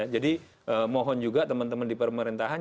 jadi mohon juga teman teman di pemerintahan